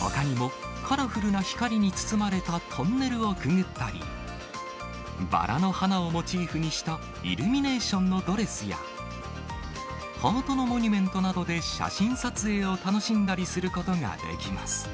ほかにも、カラフルな光に包まれたトンネルをくぐったり、バラの花をモチーフにしたイルミネーションのドレスや、ハートのモニュメントなどで、写真撮影を楽しんだりすることができます。